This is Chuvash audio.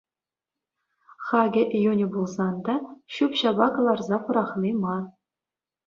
Хакӗ йӳнӗ пулсан та ҫӳп-ҫапа кӑларса пӑрахни мар.